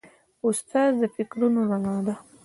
استاد د فکرونو رڼا ده.